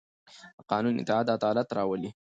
د قانون اطاعت عدالت راولي